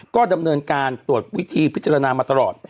ก็ดำเนินการตรวจวิธีพิจารณามาตลอด